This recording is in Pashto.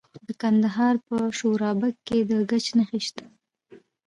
د کندهار په شورابک کې د ګچ نښې شته.